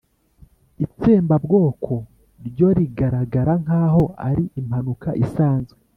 itsembabwoko ryo rigaragara nkaho ari impanuka isanzwe